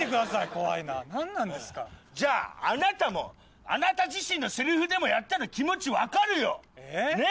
怖いな何なんですかじゃああなたもあなた自身のセルフデモやったら気持ちわかるよねっ？